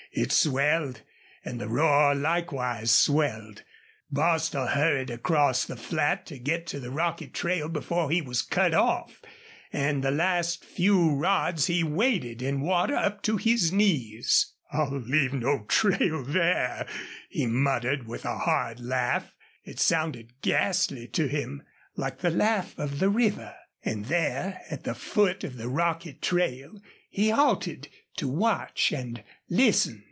It swelled. And the roar likewise swelled. Bostil hurried across the flat to get to the rocky trail before he was cut off, and the last few rods he waded in water up to his knees. "I'll leave no trail there," he muttered, with a hard laugh. It sounded ghastly to him, like the laugh of the river. And there at the foot of the rocky trail he halted to watch and listen.